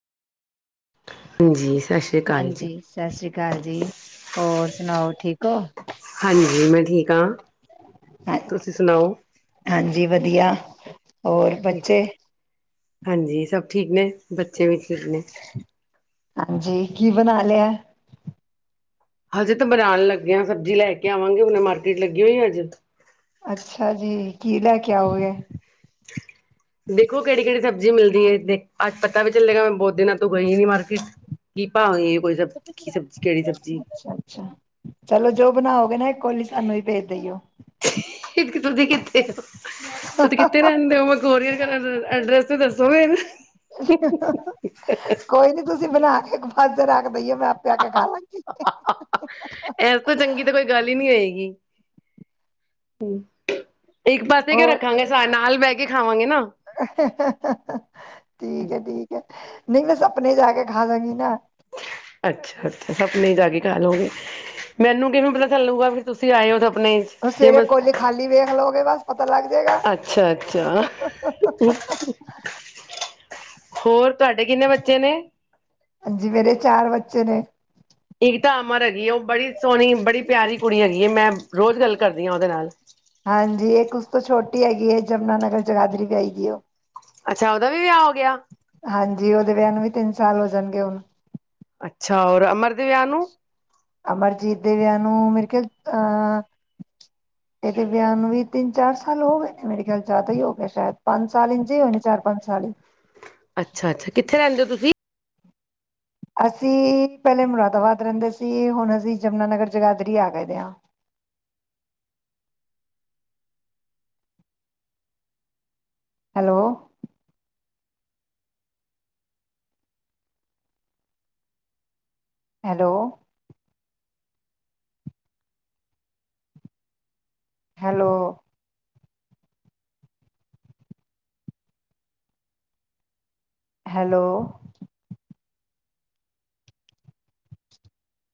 ਹਾਂਜੀ ਸਤਿ ਸ੍ਰੀ ਅਕਾਲ ਜੀ ਹਾਂਜੀ। ਸਤਿ ਸ੍ਰੀ ਅਕਾਲ ਜੀ ਹੋਰ। ਸੁਣਾਓ ਠੀਕ ਹੋ। ਹਾਂਜੀ। ਮੈਂ ਠੀਕ ਹਾਂ। ਹ ਤੁਸੀਂ ਸੁਣਾਓ ਹਾਂਜੀ ਵਧੀਆ। ਹੋਰ ਬੱਚੇ ਹਾਂਜੀ। ਸਭ ਠੀਕ ਨੇ। ਬੱਚੇ ਵੀ ਠੀਕ ਨੇ। ਹਾਂਜੀ। ਕੀ ਬਣਾ ਲਿਆ। ਹਜੇ ਤਾਂ ਬਣਾਉਣ ਲੱਗੇ ਹਾਂ। ਸਬਜ਼ੀ ਲੈ ਕੇ ਆਵਾਂਗੇ। ਹੁਨੇ ਮਾਰਕੀਟ ਲੱਗੀ ਹੋਈ ਅੱਜ। ਅੱਛਾ ਜੀ। ਕੀ ਲਏ ਕੇ ਆਓਗੇ। ਦੇਖੋ ਕਿਹੜੀ ਕਿਹੜੀ ਸਬਜ਼ੀ ਮਿਲਦੀ ਹੈ। ਦੇ ਅੱਜ ਪਤਾ ਵੀ ਚੱਲੇਗਾ ਮੈਂ ਬਹੁਤ ਦਿਨਾਂ ਤੋਂ ਗਈ ਨੀ ਮਾਰਕੀਟ। ਕੀ ਭਾ ਵੇ। ਅੱਛਾ, ਅੱਛਾ। ਚਲੋ ਜੋ ਬਣਾਓਗੇ ਨਾ ਕੋਲੀ ਸਾਨੂੰ ਹੀ ਭੇਜ ਦਈਓ। [unintelligible] [unintelligible] ਤੁਸੀ ਕਿੱਥੇ ਰਹਿੰਦੇ ਹੋ? ਮੈਂ ਗੋਰੀਅਰ ਐਡਰੈਸ ਤੇ ਦੱਸੋ ਫੇਰ। [unintelligible] [inaudible] [unintelligible] [inaudible] ਬਈਆ ਮੈਂ ਆਪੇ ਆ ਕੇ ਖਾ ਲਾਂਗੀ। ਇਸ ਤੋਂ ਚੰਗੀ ਤਾਂ ਕੋਈ ਗੱਲ ਹੀ ਨੀ ਹੋਏਗੀ ਹੂੰ ਇੱਕ ਪਾਸੇ ਕਿਊ ਹੋਰ ਰੱਖਾਂਗੇ ਸਾਰੇ ਨਾਲ ਬਹਿ ਕੇ ਖਾਵਾਂਗੇ ਨਾ ਠੀਕ ਹੈ ਠੀਕ ਹੈ, ਨਹੀਂ ਬਸ ਆਪਣੇ ਜਾ ਕੇ ਖਾ ਲਾਂਗੀ ਨਾ ਅੱਛਾ-ਅੱਛਾ ਅਪਨੇ ਹੀ ਜਾ ਕੇ ਖਾਲੋਗੇ ਮੈਨੂੰ ਕਿਵੇਂ ਪਤਾ ਚੱਲੂਗਾ ਵੀ ਤੁਸੀਂ ਆਏ ਹੋ ਦਫ ਆਪਣੇ ਸਵੇਰੇ ਕੋਲੀ ਖਾਲੀ ਵੇਖ ਲਓਗੇ ਬਸ ਪਤਾ ਲੱਗ ਜਾਏਗਾ, ਅੱਛਾ-ਅੱਛਾ ਹੋਰ ਤੁਹਾਡੇ ਕਿੰਨੇ ਬੱਚੇ ਨੇ? ਹਾਂਜੀ ਮੇਰੇ ਚਾਰ ਬੱਚੇ ਨੇ। ਗੀਤਾ ਅਮਰ ਹੈਗੀ ਉਹ ਬੜੀ ਸੋਹਣੀ ਬੜੀ ਪਿਆਰੀ ਕੁੜੀ ਹੈਗੀ ਹੈ ਮੈਂ ਰੋਜ਼ ਗੱਲ ਕਰਦੀ ਹਾਂ ਉਹਦੇ ਨਾਲ ਹਾਂਜੀ ਇੱਕ ਉਸ ਤੋਂ ਛੋਟ ਟੀ ਹੈਗੀ ਐ ਯਮੁਨਾ ਨਗਰ ਜਗਾਧਰੀ ਵੀ ਆਏਗੀ ਓ ਅੱਛਾ ਉਹਦਾ ਵੀ ਵਿਆਹ ਹੋ ਗਿਆ। ਹਾਂਜੀ ਉਹਦੇ ਵਿਆਹ ਨੂੰ ਵੀ ਤਿੰਨ ਸਾਲ ਹੋ ਜਾਣਗੇ ਹੁਣ। ਅੱਛਾ ਔਰ ਅਮਰ ਦੇ ਵਿਆਹ ਨੂੰ? ਅਮਰਜੀਤ ਦੇ ਵਿਆਹ ਨੂੰ ਮੇਰੇ ਖਿਆਲ ਅਹ ਇਹਦੇ ਵਿਆਹ ਨੂੰ ਵੀ ਤਿੰਨ ਚਾਰ ਸਾਲ ਹੋ ਗਏ ਨੇ ਮੇਰੇ ਖਿਆਲ ਜ਼ਿਆਦਾ ਹੀ ਹੋ ਗਿਆ ਸ਼ਾਇਦ ਪੰਜ ਸਾਲ ਇੰਝੇ ਹੋਏ ਨੇ ਚਾਰ ਪੰਜ ਸਾਲ ਹੀ ਅੱਛਾ ਅੱਛਾ ਕਿ ਥੇ ਰਹਿੰਦੇ ਓ ਤੁਸੀਂ ਅਸੀਂ ਪਹਿਲੇ ਮੁਰਾਦਾਬਾਦ ਰਹਿੰਦੇ ਸੀ ਹੁਣ ਅਸੀਂ ਯਮੁਨਾ ਨਗਰ ਜਗਾਦਰੀ ਆ ਗਏ ਦੇ ਆ ਹੈਲੋ। ਹੈਲੋ। ਹੈਲੋ। ਹੈਲੋ।